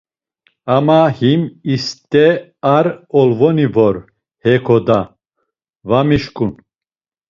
Ama him ist̆e ar olvoni vor heko da, va mişǩun.